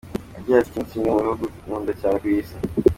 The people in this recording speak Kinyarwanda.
Agira ati “Iki ni kimwe mu bihugu nkunda cyane ku isi.